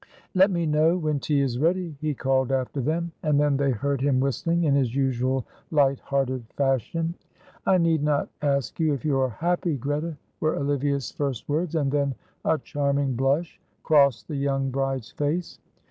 "Let me know when tea is ready," he called after them, and then they heard him whistling in his usual light hearted fashion. "I need not ask you if you are happy, Greta," were Olivia's first words, and then a charming blush crossed the young bride's face.